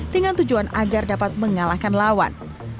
dengan tujuan agar dapat mengalahkan lawan